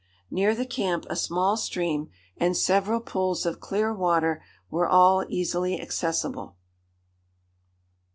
Near the camp a small stream, and several pools of clear water, were all easily accessible.